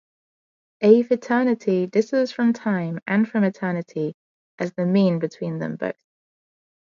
Aeviternity differs from time, and from eternity, as the mean between them both.